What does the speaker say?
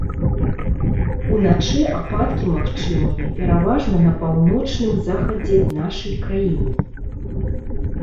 Уначы ападкі магчымыя пераважна на паўночным захадзе нашай краіны.